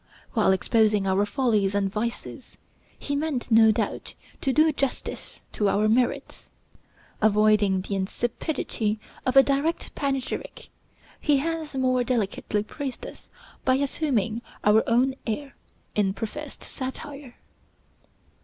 While exposing our follies and vices, he meant, no doubt, to do justice to our merits. Avoiding the insipidity of a direct panegyric, he has more delicately praised us by assuming our own air in professed satire.